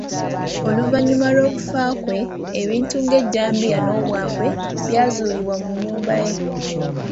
Oluvannyuma lw'okufa kwe, ebintu nga ejjambiya n'obwambe byazuulibwa mu nnyumba ye.